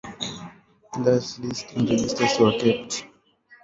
Class lists and registers were kept.